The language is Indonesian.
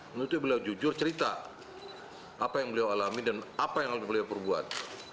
menurutnya beliau jujur cerita apa yang beliau alami dan apa yang beliau perbuat